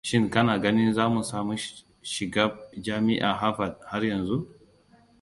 Shin kana ganin za samu shigab jamiya Harvard haryanzu?